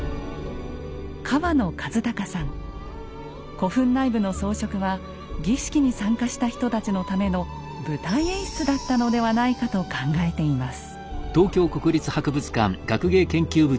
古墳内部の装飾は儀式に参加した人たちのための舞台演出だったのではないかと考えています。